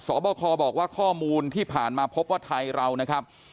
บคบอกว่าข้อมูลที่ผ่านมาพบว่าไทยเรานะครับ